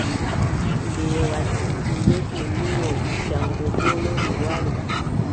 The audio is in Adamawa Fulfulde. Mbeewa dilli, yehi munyoy, jaŋgo boo lori wari.